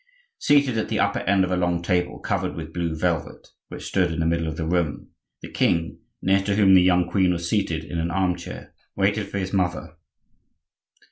Seated at the upper end of a long table covered with blue velvet, which stood in the middle of the room, the king, near to whom the young queen was seated in an arm chair, waited for his mother.